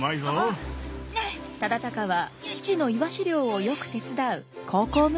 忠敬は父のイワシ漁をよく手伝う孝行息子でした。